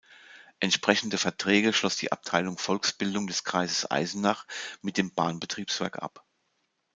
Entsprechende Verträge schloss die Abteilung Volksbildung des Kreises Eisenach mit dem Bahnbetriebswerk ab.